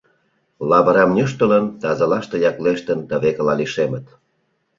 Лавырам нӧштылын, тазылаште яклештын, тывекыла лишемыт.